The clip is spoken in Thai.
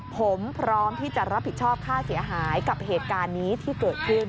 ผมพร้อมที่จะรับผิดชอบค่าเสียหายกับเหตุการณ์นี้ที่เกิดขึ้น